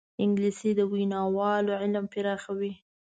انګلیسي د ویناوال علم پراخوي